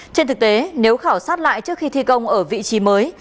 trên thực tế nếu khảo sát lại trước khi thi công ở vị trí mới